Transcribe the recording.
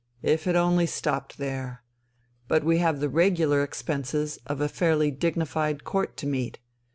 If it only stopped there! But we have the regular expenses of a fairly dignified Court to meet.